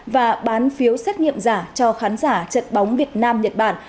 và bán phiếu xét nghiệm giả cho khán giả trận bóng việt nam nhật bản